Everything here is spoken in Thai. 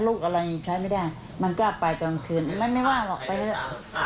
เอาไปเถอะใครอยากได้อะไรก็ไปเถอะ